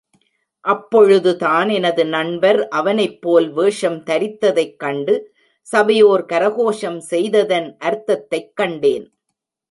அப்பொழுதுதான் எனது நண்பர் அவனைப் போல் வேஷம் தரித்ததைக் கண்டு, சபையோர் கரகோஷம் செய்ததன் அர்த்தத்தைக் கண்டேன்!